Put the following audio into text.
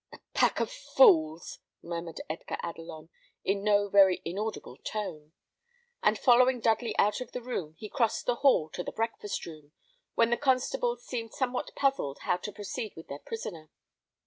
"A pack of fools," murmured Edgar Adelon, in no very inaudible tone; and following Dudley out of the room, he crossed the hall to the breakfast room, when the constables seemed somewhat puzzled how to proceed with their prisoner.